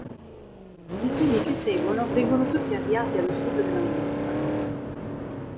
I figli che seguono vengono tutti avviati allo studio della musica.